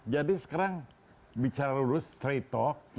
jadi sekarang bicara lurus straight talk